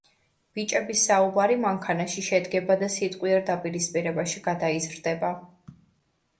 ბიჭების საუბარი მანქანაში შედგება და სიტყვიერ დაპირისპირებაში გადაიზრდება.